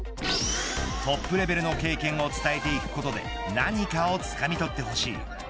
トップレベルの経験を伝えていくことで何かをつかみとってほしい。